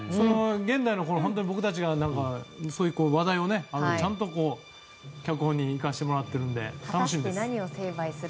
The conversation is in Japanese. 現代の僕たちがそういう話題をちゃんと脚本に生かしてもらっているので楽しみです。